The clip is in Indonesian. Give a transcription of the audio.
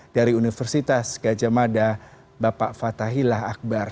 dari universitas gajah mada bapak fatahillah akbar